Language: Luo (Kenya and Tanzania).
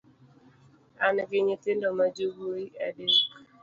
Angi nyithindo ma jowuoi adek.